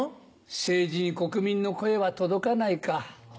政治に国民の声は届かないか。